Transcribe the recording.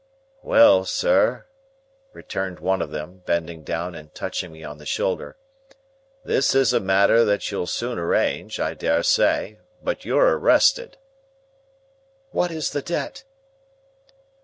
"Well, sir," returned one of them, bending down and touching me on the shoulder, "this is a matter that you'll soon arrange, I dare say, but you're arrested." "What is the debt?"